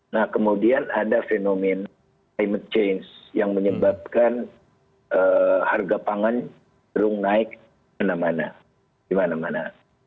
nah kemudian ada fenomen climate change yang menyebabkan harga pangan turun naik dimana mana